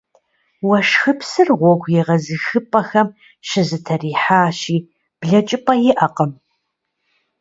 Уэшхыпсыр гъуэгу егъэзыхыпӏэхэм щызэтрихьащи, блэкӏыпӏэ иӏэкъым.